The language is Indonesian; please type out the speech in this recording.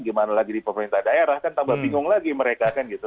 gimana lagi di pemerintah daerah kan tambah bingung lagi mereka kan gitu